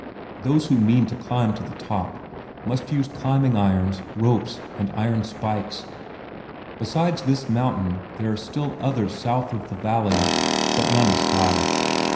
Those who mean to climb to the top must use climbing irons, ropes, and, iron spikes. Besides this mountain there are still others south of the valley, but none as high.